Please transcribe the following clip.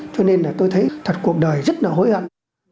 cho nên là tôi thấy thật cuộc đời rất là hối hận